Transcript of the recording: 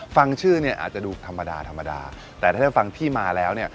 ฟังชื่อเนี่ยอาจจะดูธรรมดาธรรมดาแต่ถ้าได้ฟังที่มาแล้วเนี่ย